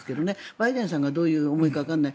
バイデンさんがどういう思いかわからない。